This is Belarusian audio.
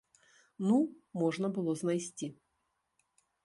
Ну, можна было знайсці.